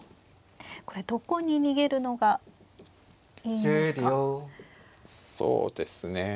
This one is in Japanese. これどこに逃げるのがいいんですか。